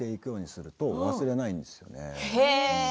そうすると忘れないんですよね。